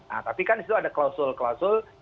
nah tapi kan di situ ada klausul klausul